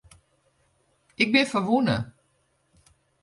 Ik bin ferwûne.